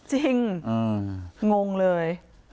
จริงงงเลย